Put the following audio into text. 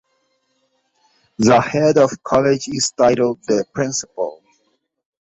The head of College is titled the Principal.